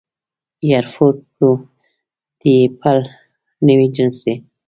اېرفوډ پرو د اېپل نوی جنس دی